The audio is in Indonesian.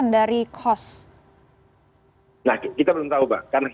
nah kita belum tahu mbak